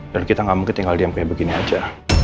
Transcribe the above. dan kita gak mungkin tinggal diam kayak begini aja